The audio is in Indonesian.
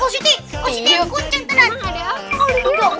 positif kuncing tenang